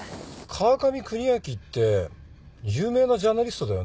川上邦明って有名なジャーナリストだよね。